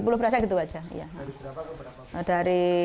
dari berapa ke berapa